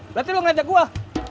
berarti lu ngajak gua